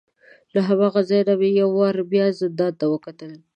له هماغه ځای نه مې یو وار بیا زندان ته وکتل.